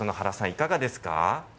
いかがですか。